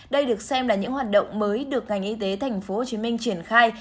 đây được xem là những hoạt động mới được ngành y tế tp hcm triển khai